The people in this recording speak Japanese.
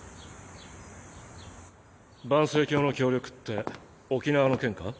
盤星教の協力って沖縄の件か？